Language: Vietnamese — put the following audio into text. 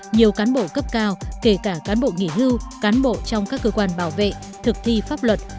nhiều cán bộ cấp cao kể cả cán bộ nghỉ hưu cán bộ trong các cơ quan bảo vệ thực thi pháp luật